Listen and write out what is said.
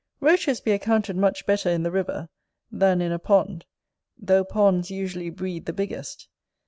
Roaches be accounted much better in the river than in a pond, though ponds usually breed the biggest.